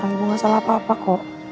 orang ibu gak salah apa apa kok